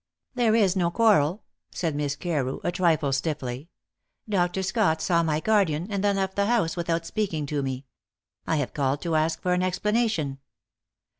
"There is no quarrel," said Miss Carew, a trifle stiffly. "Dr. Scott saw my guardian, and then left the house without speaking to me. I have called to ask for an explanation."